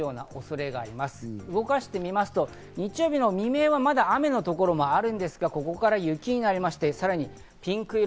動かしてみますと、日曜日未明はまだ雨の所がありますが、ここから雪になりまして、さらにピンク色。